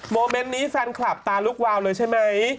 เมนต์นี้แฟนคลับตาลุกวาวเลยใช่ไหม